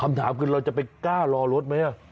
คำถามคือเราจะไปกล้ารอรถไหม